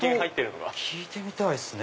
音聞いてみたいですね。